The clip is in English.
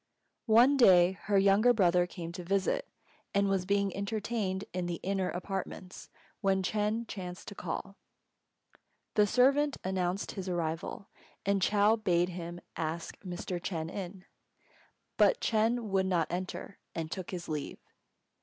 One day her younger brother came to visit her, and was being entertained in the "inner" apartments when Ch'êng chanced to call. The servant announced his arrival, and Chou bade him ask Mr. Ch'êng in. But Ch'êng would not enter, and took his leave.